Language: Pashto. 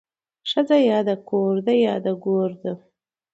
ښځه يا د کور ده يا د ګور ده